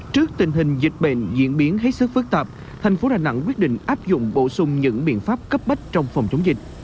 trước tình hình dịch bệnh diễn biến hết sức phức tạp thành phố đà nẵng quyết định áp dụng bổ sung những biện pháp cấp bách trong phòng chống dịch